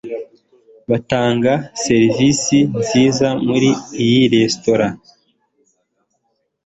Batanga serivisi nziza muri iyo resitora